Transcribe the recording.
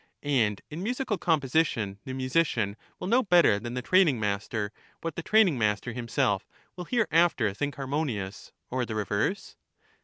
And in musical composition the musician will know better than the training master what the training master himself will hereafter think harmonious or the reverse